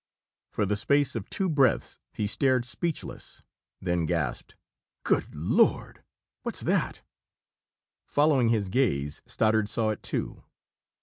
For the space of two breaths, he stared speechless, then gasped: "Good Lord! What's that?" Following his gaze, Stoddard saw it too.